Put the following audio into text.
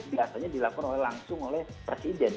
biasanya dilakukan langsung oleh presiden